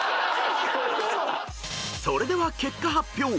［それでは結果発表］